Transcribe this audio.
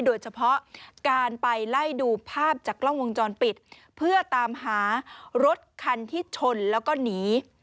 โดยเฉพาะการไปไล่ดูภาพจากกล้องวงจรปิดเพื่อตามหารถคันที่ชนแล้วก็หนี